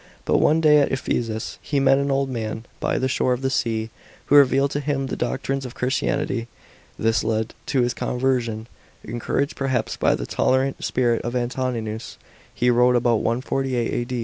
But one day at Ephesus, he met an old man by the shore of the sea, who revealed to him the doctrines of Christianity. This led to his conversion. Encouraged, perhaps, by the tolerant spirit of Antoninus, he wrote (about 148 A.